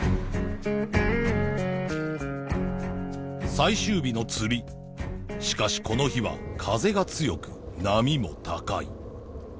最終日の釣りしかしこの日は風が強く波も高い